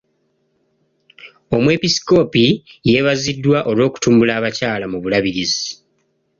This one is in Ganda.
Omwepiskoopi yeebaziddwa olw'okutumbula abakyala mu bulabirizi.